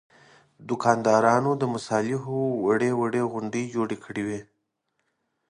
دوکاندارانو د مصالحو وړې وړې غونډۍ جوړې کړې وې.